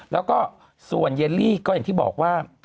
แล้วก็ส่วนเยลลี่ก็อย่างที่บอกว่า